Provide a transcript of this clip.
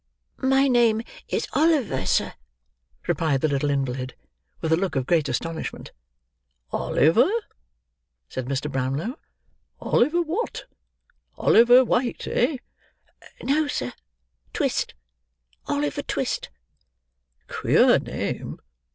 "My name is Oliver, sir," replied the little invalid: with a look of great astonishment. "Oliver," said Mr. Brownlow; "Oliver what? Oliver White, eh?" "No, sir, Twist, Oliver Twist." "Queer name!"